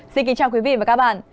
xin kính chào quý vị và các bạn